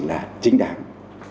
là chính đảng